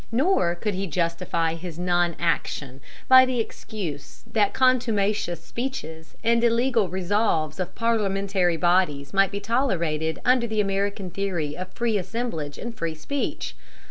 Nor could he justify his non action by the excuse that contumacious speeches and illegal resolves of parliamentary bodies might be tolerated under the American theory of free assemblage and free speech.